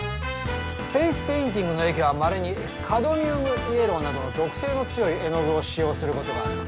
フェイスペインティングの液はまれにカドミウムイエローなどの毒性の強い絵の具を使用することがある。